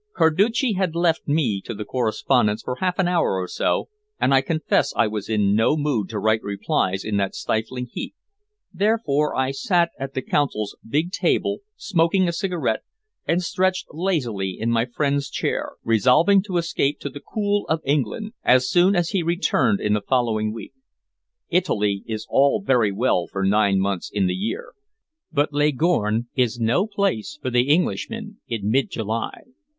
Carducci had left me to the correspondence for half an hour or so, and I confess I was in no mood to write replies in that stifling heat, therefore I sat at the Consul's big table, smoking a cigarette and stretched lazily in my friend's chair, resolving to escape to the cool of England as soon as he returned in the following week. Italy is all very well for nine months in the year, but Leghorn is no place for the Englishman in mid July.